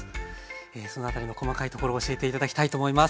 そのあたりの細かいところを教えて頂きたいと思います。